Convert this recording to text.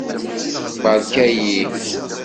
Beṛka-iyi.